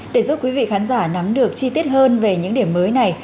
để giúp quý vị khán giả nắm được chi tiết hơn về những điểm mới này